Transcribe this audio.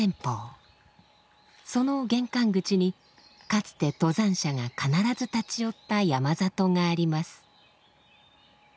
その玄関口にかつて登山者が必ず立ち寄った山里があります。